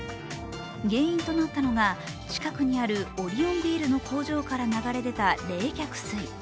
原因となったのが、近くにあるオリオンビールの工場から流れ出た冷却水。